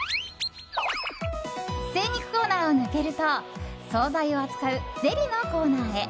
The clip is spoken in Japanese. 精肉コーナーを抜けると総菜を扱うデリのコーナーへ。